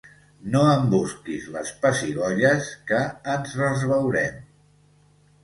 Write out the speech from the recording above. No em busquis les pessigolles que ens les veurem.